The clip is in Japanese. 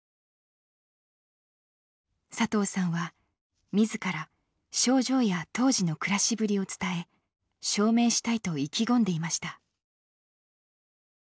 佐藤さんは自ら症状や当時の暮らしぶりを伝え証明したいと意気込んでいました。